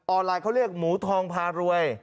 ไลน์เขาเรียกหมูทองพารวย